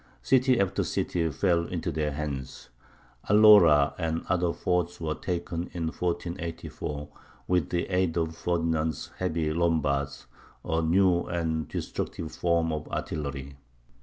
City after city fell into their hands. Alora and other forts were taken in 1484, with the aid of Ferdinand's heavy "lombards" a new and destructive form of artillery.